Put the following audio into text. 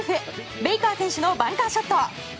ベイカー選手のバンカーショット。